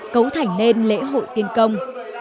cấu thành nên lễ hội tiên công